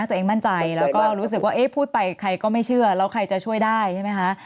ตัวเองมั่นใจแล้วก็รู้สึกว่าเอ๊ะพูดไปใครก็ไม่เชื่อแล้วใครจะช่วยได้ใช่ไหมคะ